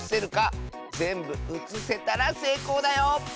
ぜんぶうつせたらせいこうだよ！